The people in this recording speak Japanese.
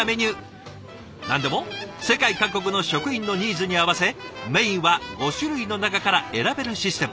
何でも世界各国の職員のニーズに合わせメインは５種類の中から選べるシステム。